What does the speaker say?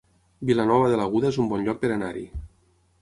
Vilanova de l'Aguda es un bon lloc per anar-hi